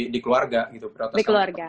di keluarga di keluarga